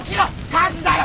火事だよ！